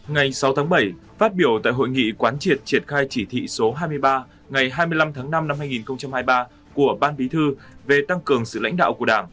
ngày sáu tháng bảy phát biểu tại hội nghị quán triệt triển khai chỉ thị số hai mươi ba ngày hai mươi năm tháng năm năm hai nghìn hai mươi ba của ban bí thư về tăng cường sự lãnh đạo của đảng